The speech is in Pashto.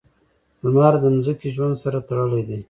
• لمر د ځمکې ژوند سره تړلی دی.